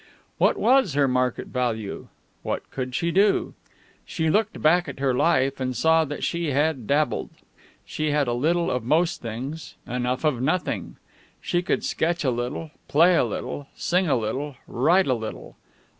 What was her market value? What could she do? She looked back at her life, and saw that she had dabbled. She had a little of most things enough of nothing. She could sketch a little, play a little, sing a little, write a little.